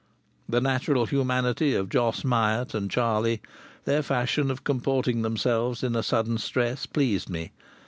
The natural humanity of Jos Myatt and Charlie, their fashion of comporting themselves in a sudden stress, pleased me.